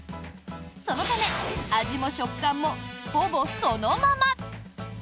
そのため、味も食感もほぼそのまま。